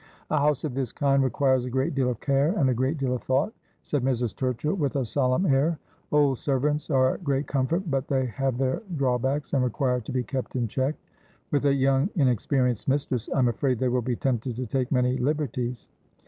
' A house of this kind requires a great deal of care and a great deal of thought,' said Mrs. Turchill with a solemn air. ' Old servants are a great comfort, but they have their draw backs, and require to be kept in check. With a young, inex perienced mistress I'm afraid they will be tempted to take many liberties.'